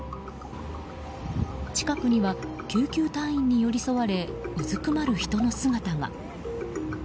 近くには救急隊員に寄り添われうずくまる人の姿が。